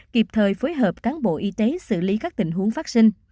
kịp thời phối hợp cán bộ y tế xử lý các tình huống phát sinh